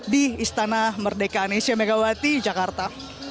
di istana merdekanesya megawati jakarta